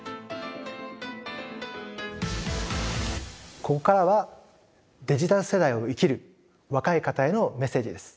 ここからはデジタル世代を生きる若い方へのメッセージです。